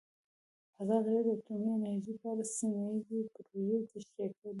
ازادي راډیو د اټومي انرژي په اړه سیمه ییزې پروژې تشریح کړې.